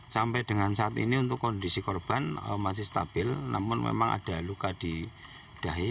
sampai dengan saat ini untuk kondisi korban masih stabil namun memang ada luka di dahi